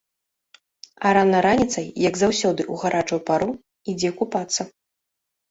А рана раніцай, як заўсёды ў гарачую пару, ідзе купацца.